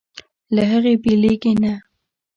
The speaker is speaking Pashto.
له هغې بېلېږي نه.